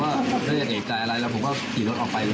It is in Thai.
ถ้าอยากเอกใจอะไรผมก็เรียกรถออกไปเลย